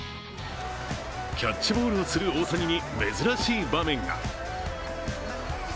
キャッチボールをする大谷に珍しい場面が。